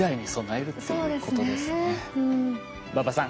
馬場さん